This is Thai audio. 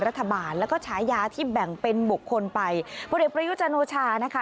รัฐบาลแล้วก็ฉายาที่แบ่งเป็นบกคนไปผู้เด็กประยุจรรย์โอชานะคะ